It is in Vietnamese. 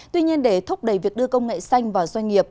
tuy nhiên để thúc đẩy việc đưa công nghệ xanh vào doanh nghiệp